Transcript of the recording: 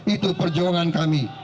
itu perjuangan kami